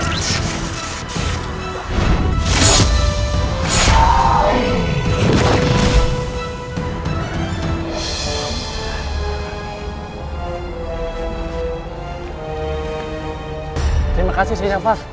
terima kasih sri nafas